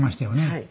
はい。